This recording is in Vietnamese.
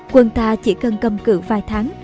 quân ta chỉ cần cầm cự vài tháng